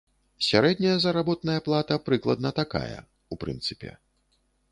Сярэдняя заработная плата прыкладна такая, у прынцыпе.